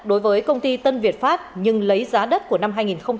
đối với công ty tân việt pháp nhưng lấy giá đất của năm hai nghìn một mươi